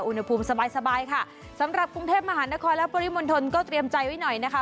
อุณหภูมิสบายสบายค่ะสำหรับกรุงเทพมหานครและปริมณฑลก็เตรียมใจไว้หน่อยนะคะ